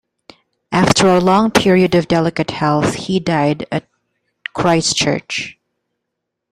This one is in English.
After a long period of delicate health he died at Christ Church.